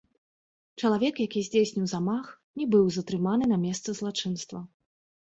Чалавек, які здзейсніў замах, не баў затрыманы на месцы злачынства.